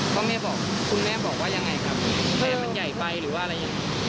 พ่อแม่บอกคุณแม่บอกว่ายังไงครับแผลมันใหญ่ไปหรือว่าอะไรยังไง